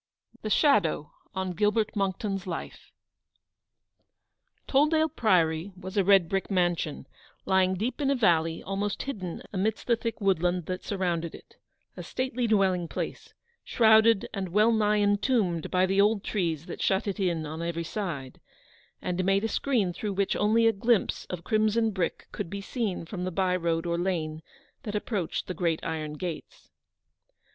THE SHADOW ON GILBERT MONCKTON's LIFE. Tolldale Priory was a red brick mansion, lying deep in a valley, almost hidden amidst the thick woodland that surrounded it : a stately dwelling place, shrouded and well nigh entombed by the old trees that shut it in on every side, and made a screen through which only a glimpse of crimson brick could be seen from the bye road or lane that approached the great iron gates.